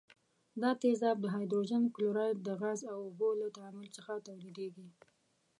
دا تیزاب د هایدروجن کلوراید د غاز او اوبو له تعامل څخه تولیدیږي.